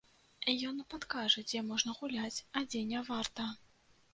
Ён падкажа, дзе можна гуляць, а дзе не варта.